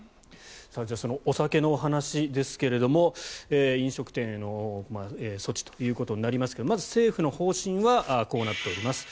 じゃあそのお酒のお話ですが飲食店への措置ということになりますがまず政府の方針はこうなっております。